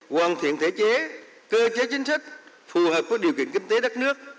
hoàn thiện thể chế cơ chế chính sách phù hợp với điều kiện kinh tế đất nước